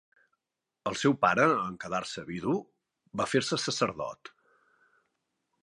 El seu pare, en quedar-se vidu, va fer-se sacerdot.